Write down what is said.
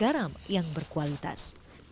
alor juga memiliki alat yang berkualitas